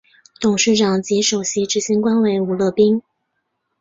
董事长及首席执行官为吴乐斌。